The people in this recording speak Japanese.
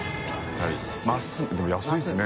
でも安いですね。